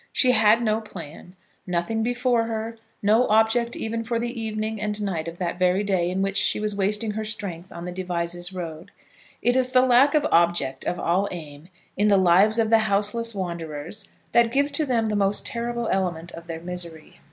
She had no plan, nothing before her; no object even for the evening and night of that very day in which she was wasting her strength on the Devizes road. It is the lack of object, of all aim, in the lives of the houseless wanderers that gives to them the most terrible element of their misery.